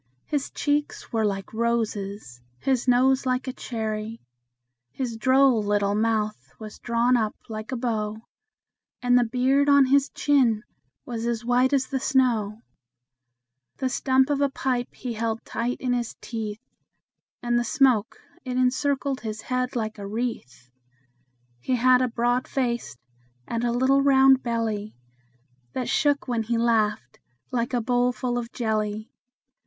His cheeks were like roses, his nose like a cherry; His droll little mouth was drawn up like a bow, And the beard on his chin was as white as the snow; The stump of a pipe he held tight in his teeth, And the smoke, it encircled his head like a wreath. He had a broad face, and a little round belly That shook when he laughed, like a bowl full of jelly.